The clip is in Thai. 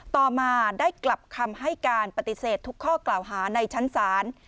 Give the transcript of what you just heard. ต่อมาได้กลับคำให้การปฏิเสธทุกข้อกล่าวหาในชั้นศาล